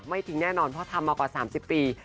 ไม่ทิ้งแน่นอนเพราะทำมากว่า๓๐ปี